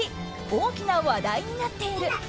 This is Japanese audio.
大きな話題になっている。